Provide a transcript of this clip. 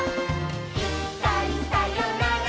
「いっかいさよなら